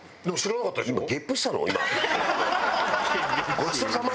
ごちそうさま？